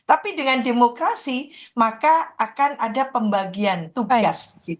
tapi dengan demokrasi maka akan ada pembagian tugas